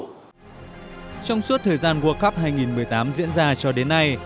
trong suốt thời gian world cup hai nghìn một mươi tám diễn ra cho đến nay